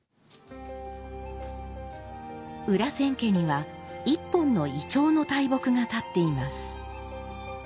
裏千家には１本の銀杏の大木が立っています。